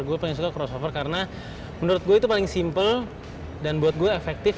gue paling suka crossover karena menurut gue itu paling simple dan buat gue efektif